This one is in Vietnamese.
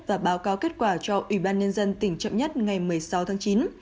và báo cáo kết quả cho ủy ban nhân dân tỉnh chậm nhất ngày một mươi sáu tháng chín